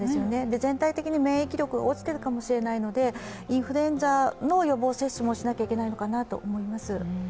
全体的に免疫力が落ちているかもしれないので、インフルエンザの予防接種もしないといけないのかなと思います。